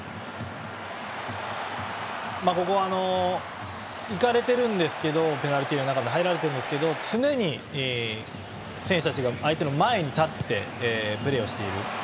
ここ行かれてるんですけどペナルティーエリアの中に入られているんですけれども常に選手たちが相手の前に立ってプレーしています。